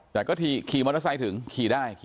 แต่ก็ขี่มอเตอร์ไซค์ถึงขี่ได้